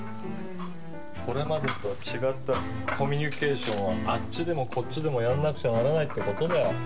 これまでとは違ったコミュニケーションをあっちでもこっちでもやらなくちゃならないって事だよ。